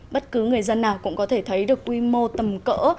bất cứ người dân nào cũng có thể thấy được quy mô tầm cỡ